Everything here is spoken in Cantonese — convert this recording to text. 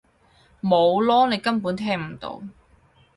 冇囉！你根本聽唔到！